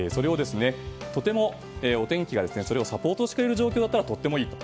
とてもお天気がそれをサポートしている状況だったらとてもいいと。